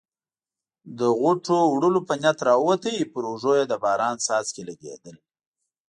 د غوټو وړلو په نیت راووت، پر اوږو یې د باران څاڅکي لګېدل.